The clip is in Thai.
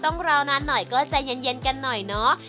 ราวนานหน่อยก็ใจเย็นกันหน่อยเนาะ